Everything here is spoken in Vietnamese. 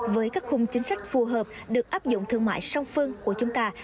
với các khung chính sách phù hợp được áp dụng thương mại song phương của chúng ta